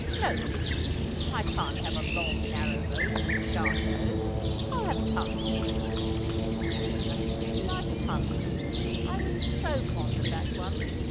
No, Bink, if I can't have a long, narrow boat with a sharp nose, I'll have a punt. I think I should really like a punt. I was so fond of that one.